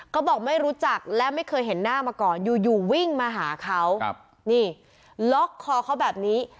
เขาบอกไม่รู้จักและไม่เคยเห็นหน้ามาก่อนอยู่อยู่วิ่งมาหาเขานี่ล็อกคอเขาแบบนี้